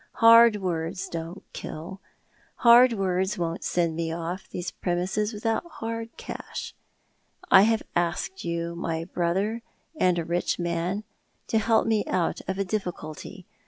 Hard words don't kill, and hard words won't send me off these premises Avithont hard cash. I have asked you, my brother, and a rich man, to help rae out of a difficulty.